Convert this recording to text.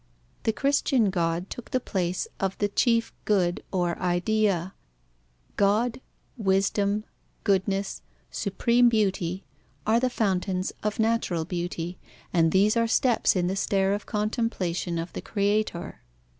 The Christian God took the place of the chief Good or Idea: God, wisdom, goodness, supreme beauty are the fountains of natural beauty, and these are steps in the stair of contemplation of the Creator.